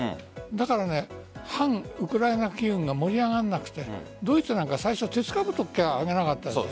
だから反ウクライナ機運が盛り上がらなくてドイツは最初鉄かぶとしかあげなかった。